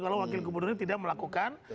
kalau wakil gubernur ini tidak melakukan